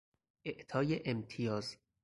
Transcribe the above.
اعطای امتیاز